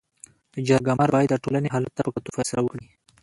جرګه مار باید د ټولني حالت ته په کتو فيصله وکړي.